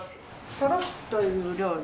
トロッという料理。